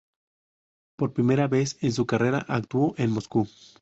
Por primera vez en su carrera actuó en Moscú.